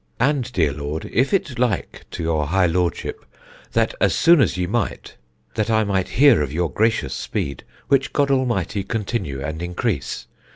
And, dear Lord, if it like to your high Lordship that as soon as ye might that I might hear of your gracious speed, which God Almighty continue and increase.